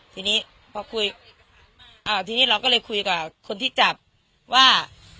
ทีนี้พอคุยทีนี้เราก็เลยคุยกับคนที่จับว่า